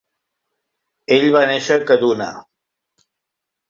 Ell va néixer a Kaduna.